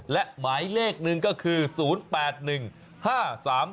และหมายเลขหนึ่งก็คือ๐๘๑๕๓๘๘๕๘๖จ้า